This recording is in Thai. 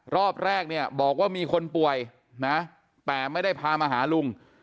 รอบแรกเนี่ยบอกว่ามีคนป่วยนะแต่ไม่ได้พามาหาลุง